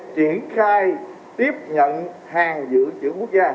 triển khai tiếp nhận hàng dự trưởng quốc gia